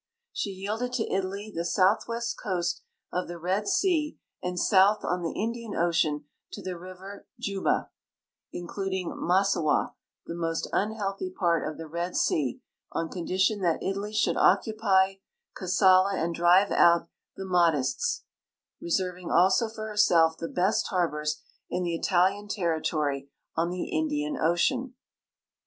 She yielded to Italy the southwest coast of the Red sea and south on the Indian ocean to the river Juba, including Massowah, the most unhealthy part of the Red sea, on condition that Italy should occupy Kassala and drive out the Mahdists, reserving also for herself the best harbors in the Italian territory' on the Indian ocean.